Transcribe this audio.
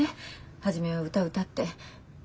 初めは歌歌って。